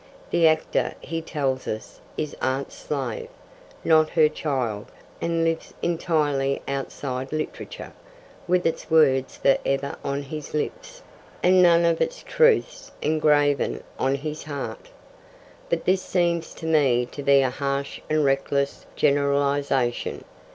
The actor, he tells us, is art's slave, not her child, and lives entirely outside literature, 'with its words for ever on his lips, and none of its truths engraven on his heart.' But this seems to me to be a harsh and reckless generalisation.